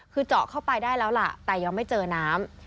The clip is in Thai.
คือเจาะเข้าไปได้แล้วล่ะแต่ยังไม่เจอน้ำ